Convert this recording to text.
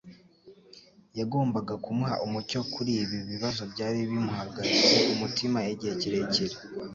yagombaga kumuha umucyo kur’ibi bibazo byari bimuhagaritse umutima igihe kirekire.